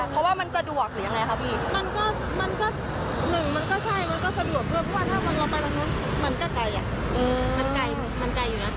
สารวาตรจราจรไปอาย่างพันธ์ทุกคน